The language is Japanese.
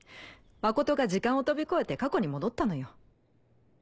真琴が時間を飛び越えて過去に戻ったのよ。